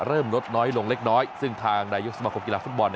เริ่มลดน้อยลงเล็กซึ่งทางในยกสมาคมกีฬาฟุตบอล